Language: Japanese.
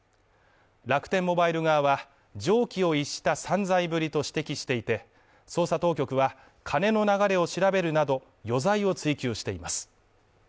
楽天モバイル側は常軌を逸した散財ぶりと指摘していて、捜査当局は金の流れを調べるなど、余罪を追及しています。